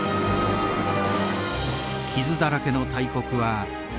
傷だらけの大国は今世紀